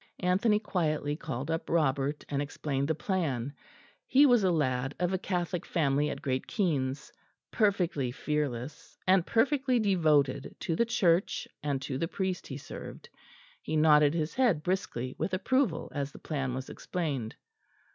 Anthony quietly called up Robert, and explained the plan. He was a lad of a Catholic family at Great Keynes, perfectly fearless and perfectly devoted to the Church and to the priest he served. He nodded his head briskly with approval as the plan was explained.